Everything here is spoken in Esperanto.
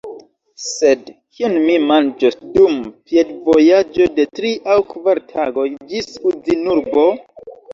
Sed kion mi manĝos dum piedvojaĝo de tri aŭ kvar tagoj ĝis Uzinurbo?